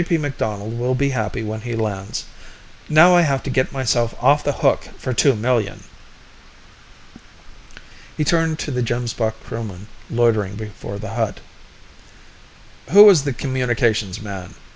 P. McDonald will be happy when he lands. Now I have to get myself off the hook for two million!" He turned to the Gemsbok crewmen loitering before the hut. "Who was the communications man?"